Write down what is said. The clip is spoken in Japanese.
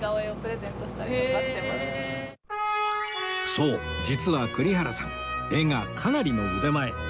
そう実は栗原さん絵がかなりの腕前